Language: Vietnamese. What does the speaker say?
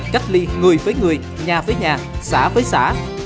cách ly người với người nhà với nhà xã với xã